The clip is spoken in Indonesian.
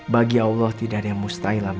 bagi allah tidak ada yang mustahil amida